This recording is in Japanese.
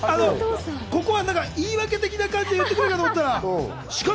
言い訳的な感じで言ってくるかなと思ったら。